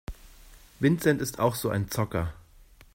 Vincent ist auch so ein Zocker.